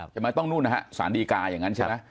ใช่ไหมต้องนู่นนะฮะสารดีกาอย่างนั้นใช่ไหม